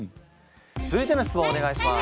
続いての質問お願いします。